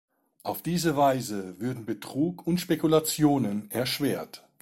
Auf diese Weise würden Betrug und Spekulationen erschwert.